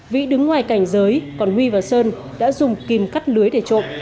vĩ đứng ngoài cảnh giới còn huy và sơn đã dùng kim cắt lưới để trộm